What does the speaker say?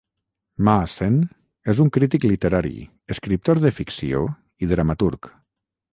Ma Sen és un crític literari, escriptor de ficció i dramaturg.